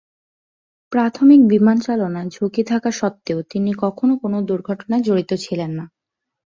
প্রাথমিক বিমান চালনার ঝুঁকি থাকা সত্ত্বেও তিনি কখনও কোন দুর্ঘটনায় জড়িত ছিলেন না।